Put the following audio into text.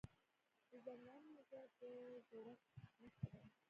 د زنګونونو ږغ د زړښت نښه ده.